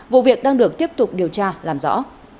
vụ việc đang được tiếp tục điều tra làm rõ